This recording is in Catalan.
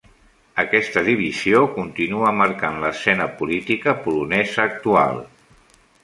Aquesta divisió continua marcant l'escena política polonesa actual.